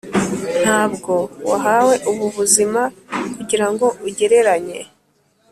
ntabwo wahawe ubu buzima kugirango ugereranye.